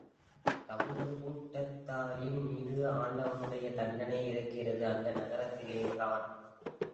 தமூது கூட்டத்தாரின் மீது ஆண்டவனுடைய தண்டனை இறங்கியது அந்த நகரத்திலேதான்.